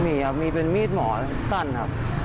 มีครับมีเป็นมีดหมอสั้นครับ